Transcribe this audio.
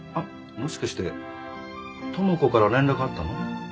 もしかして智子から連絡あったの？